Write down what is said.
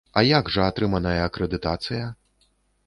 А як жа атрыманая акрэдытацыя?